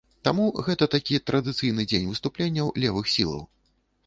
Таму гэта такі традыцыйны дзень выступленняў левых сілаў.